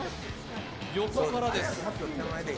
横からです。